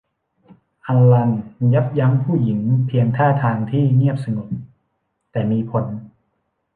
อัลลันยับยั้งผู้หญิงเพียงท่าทางที่เงียบสงบ แต่มีผล